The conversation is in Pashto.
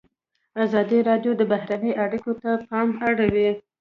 ازادي راډیو د بهرنۍ اړیکې ته پام اړولی.